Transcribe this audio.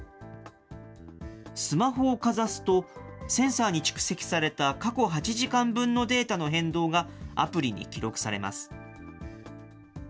スマホをかざすと、センサーに蓄積された過去８時間分のデータの変動がアプリに記録されます。